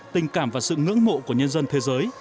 tình cảm và sự ngưỡng mộ của nhân dân thế giới